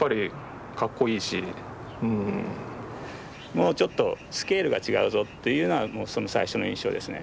もうちょっとスケールが違うぞっていうのが最初の印象ですね。